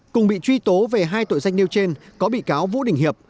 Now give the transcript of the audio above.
cùng bị truy tố về hai tội danh nêu trên có bị cáo vũ đình hiệp